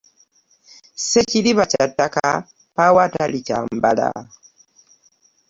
Ssekibira kyattaka mpawo atalikyambala .